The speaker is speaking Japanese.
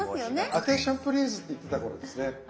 「アテンションプリーズ」って言ってた頃ですね。